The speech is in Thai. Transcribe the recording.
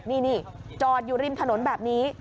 นี่จอดอยู่ริมถนนแบบนี้